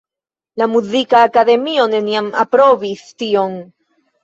La muzika akademio neniam aprobis tion.